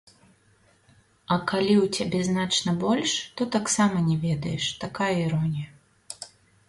А калі ў цябе значна больш, то таксама не ведаеш, такая іронія.